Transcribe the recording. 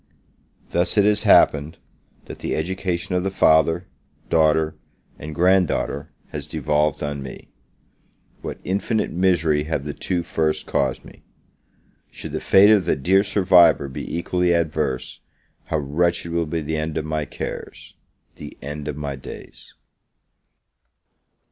Thus it has happened, that the education of the father, daughter, and grand daughter, has devolved on me. What infinite misery have the two first caused me! Should the fate of the dear survivor be equally adverse, how wretched will be the end of my cares the end of my days!